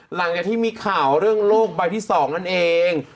หลังจากที่มีข่าวเรื่องโลกใบที่๒นั่นเอง